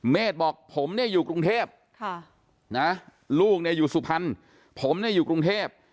เมฆบอกผมเนี่ยอยู่กรุงเทพลูกเนี่ยอยู่สุพรรณผมเนี่ยอยู่กรุงเทพ